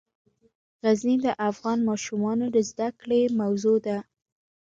غزني د افغان ماشومانو د زده کړې موضوع ده.